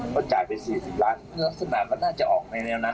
ก็จ่ายไป๔๐ล้านลักษณะมันน่าจะออกในแนวนั้น